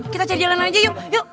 kita cari jalan aja yuk